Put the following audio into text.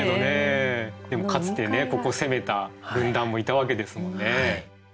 でもかつてここ攻めた軍団もいたわけですもんね。